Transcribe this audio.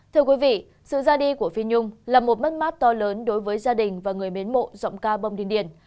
thưa quý vị sự ra đi của phi nhung là một mất mát to lớn đối với gia đình và người mến mộ giọng ca bông đình điển